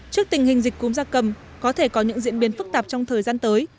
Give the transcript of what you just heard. trước tình hình dịch cúm gia cầm có thể có những diễn biến phức tạp trong thời gian tới